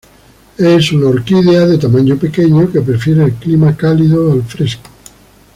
Es una orquídea de tamaño pequeño que prefiere el clima cálido al fresco.